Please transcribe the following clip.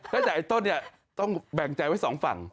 ตั้งแต่ไอ้ต้นเนี่ยต้องแบ่งใจไว้สองฝั่ง